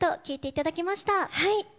聴いていただきました。